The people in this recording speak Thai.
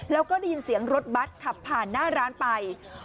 แล้วก็ได้ยินเสียงรถบัตรขับผ่านหน้าร้านไป